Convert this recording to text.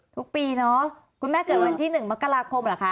ทุกปีเนาะคุณแม่เกิดวันที่๑มกราคมเหรอคะ